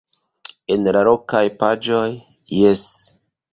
En la lokaj paĝoj - jes.